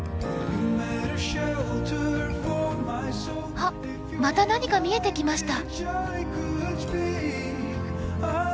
あっまた何か見えてきました。